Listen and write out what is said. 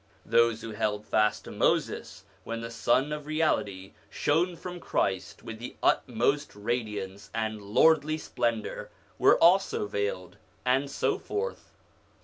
Those who held fast to Moses when the Sun of Reality shone from Christ with the utmost radiance and lordly splendour, were also veiled ; and so forth.